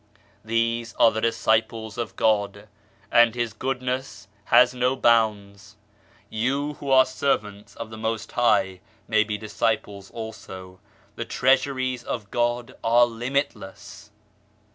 These are the disciples of God, and His good ness has no bounds. You who are servants of the Most High may be disciples also. The treasuries of God are limitless.